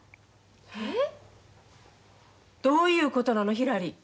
えっ！？どういうことなのひらり。